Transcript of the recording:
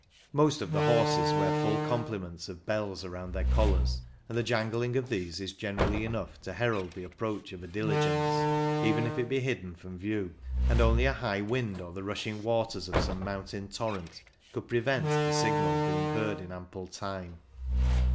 Most of the horses wear full comple ments of bells around their collars, and the jangling of these is generally enough to herald the approach of a diligence, even if it be hidden from view, and only a high wind or the rushing waters of some moun tain torrent could prevent the signal being heard in ample time.